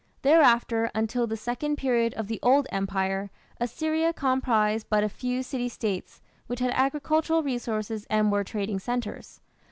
Thereafter, until the second period of the Old Empire, Assyria comprised but a few city States which had agricultural resources and were trading centres.